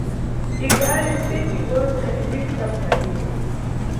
Ikhali nntsiku ibodzi yadidisa kuna ine.